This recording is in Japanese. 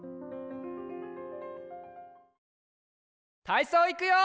たいそういくよ！